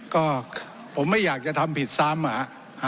ก็ผมไม่อยากจะทำผิดซ้ำอะ